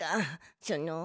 その。